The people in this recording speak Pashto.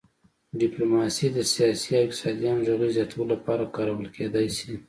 ډیپلوماسي د سیاسي او اقتصادي همغږۍ زیاتولو لپاره کارول کیدی شي